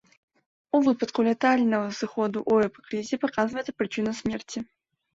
У выпадку лятальнага зыходу ў эпікрызе паказваецца прычына смерці.